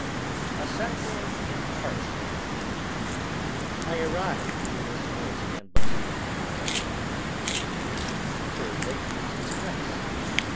A SUNDAY IN CARSON I arrived in this noisy and bustling town of Carson at noon to day, per Layton's express.